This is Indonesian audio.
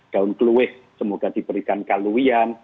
daun keluih semoga diberikan kaluwian